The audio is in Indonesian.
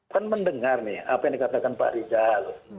kan mendengar nih apa yang dikatakan pak rizal